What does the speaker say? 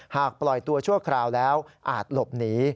ปล่อยตัวชั่วคราวแล้วอาจหลบหนี